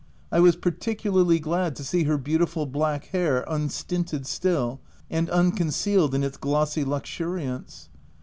I was particularly glad to see her beautiful black hair unstinted still and uncon cealed in its glossy luxuriance.